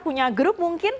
punya grup mungkin